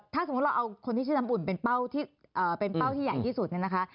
ถ้าสมมุติเราเอาคนที่ชื่อน้ำอุ่นเป็นเป้าที่ใหญ่ที่สุดเนี่ยนะคะ